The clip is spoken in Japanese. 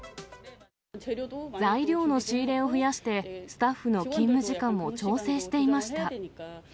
材料の仕入れを増やしてスタッフの勤務時間も調整していました。